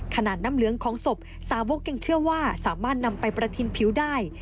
น้ำเหลืองของศพสาวกยังเชื่อว่าสามารถนำไปประทินผิวได้